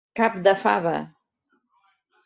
Cap de fava.